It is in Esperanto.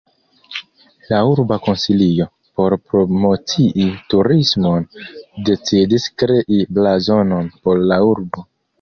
La urba konsilio, por promocii turismon, decidis krei blazonon por la urbo.